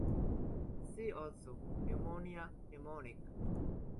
"See also:" Pneumonia, Pneumonic.